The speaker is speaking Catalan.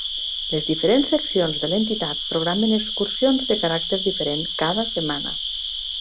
Les diferents seccions de l'entitat programen excursions de caràcter diferent cada setmana.